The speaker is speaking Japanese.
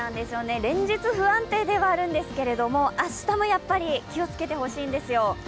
連日不安定ではあるんですけど、明日もやっぱり気をつけてほしいんですよ。